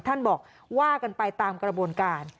ท่านบอกว่ากันไปตามกระบวนการ